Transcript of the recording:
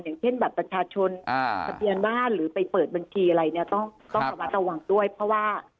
อย่างเช่นบัตรประชาชนทะเบียนบ้านหรือไปเปิดบัญชีอะไรเนี่ยต้องระมัดระวังด้วยเพราะว่า